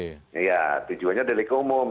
iya tujuannya delik umum